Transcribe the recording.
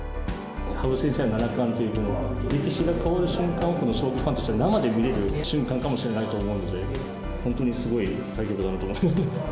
羽生先生の七冠という歴史が変わる瞬間を将棋ファンとしては、生で見れる瞬間かもしれないので、本当にすごい対局だなと思います。